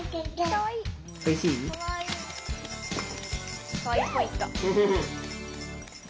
かわいいポイント。